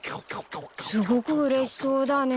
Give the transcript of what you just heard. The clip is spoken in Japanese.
すごくうれしそうだね。